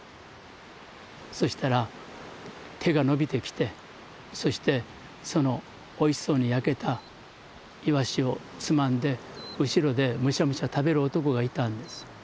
そしたら手が伸びてきてそしてそのおいしそうに焼けたイワシをつまんで後ろでムシャムシャ食べる男がいたんです。